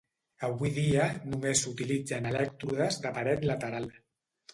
Avui dia només s'utilitzen elèctrodes de paret lateral.